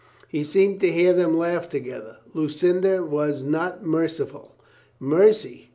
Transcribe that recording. He seemed to hear them laugh together. Lucinda was not merciful . Mercy!